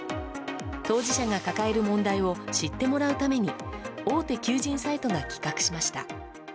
当事者が抱える問題を知ってもらうために大手求人サイトが企画しました。